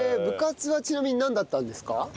部活はちなみになんだったんですか？